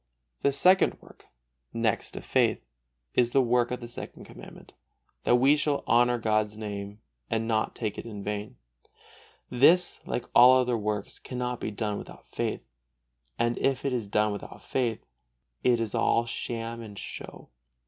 The second work, next to faith, is the work of the Second Commandment, that we shall honor God's Name and not take it in vain. This, like all the other works, cannot be done without faith; and if it is done without faith, it is all sham and show.